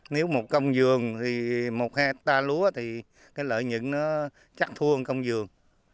nếu một công vườn thì lợi ích nó chắc cũng bằng một hectare lúa lấy lên